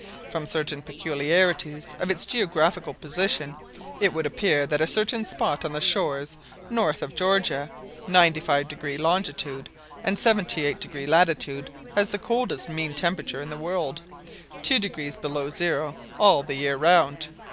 From certain peculiarities of its geographical position it would appear that a certain spot on the shores of North Georgia, 95° longitude and 78° latitude, has the coldest mean temperature in the world: 2° below zero all the year round.